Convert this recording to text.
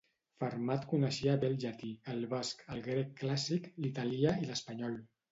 Fermat coneixia bé el llatí, el basc, el grec clàssic, l'italià i l'espanyol.